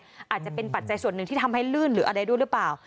อาจจะเป็นปัจจัยส่วนหนึ่งที่ทำให้ลื่นหรืออะไรด้วยหรือเปล่า